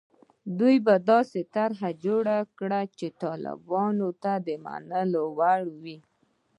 دوی به داسې طرح جوړه کړي چې طالبانو ته د منلو وړ وي.